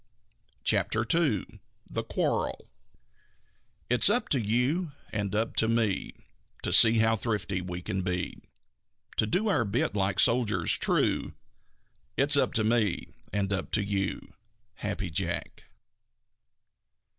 CHAPTER II THE QUARREL It's up to you and up to me To see how thrifty we can be. To do our bit like soldiers true It's up to me and up to you. _Happy Jack.